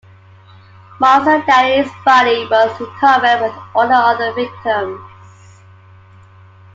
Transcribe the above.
Marcel Dadi's body was recovered with all the other victims.